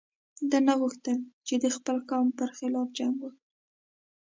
ده نه غوښتل چې د خپل قوم پر خلاف جنګ وکړي.